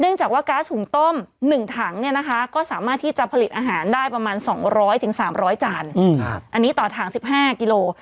จากว่าก๊าซหุงต้ม๑ถังเนี่ยนะคะก็สามารถที่จะผลิตอาหารได้ประมาณ๒๐๐๓๐๐จานอันนี้ต่อถัง๑๕กิโล